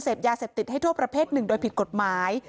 เสพยาเสพติดให้โทษประเภทหนึ่งโดยผิดกฎหมาย